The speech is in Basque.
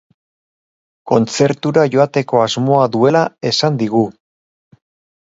Kontzertura joateko asmoa duela esan digu.